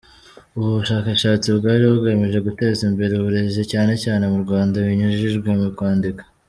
Ubu bushakashatsi bwari bugamije guteza imbere uburezi, cyane cyane mu Rwanda binyujijwe mu kwandika.